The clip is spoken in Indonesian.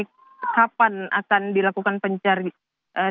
kapan akan dilakukan pencarian